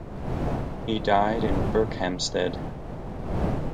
He died in Berkhamsted.